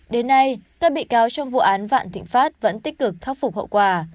đến nay các bị cáo trong vụ án vạn thịnh pháp vẫn tích cực khắc phục hậu quả